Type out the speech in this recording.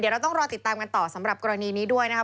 เราต้องรอติดตามกันต่อสำหรับกรณีนี้ด้วยนะครับ